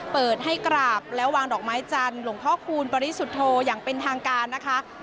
เปิดให้กราบแล้ววางดอกไม้จันทร์หลวงพ่อคูณปริสุทธโธอย่างเป็นทางการนะคะ